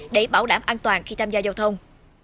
để bảo đảm an toàn khi tham gia giao thông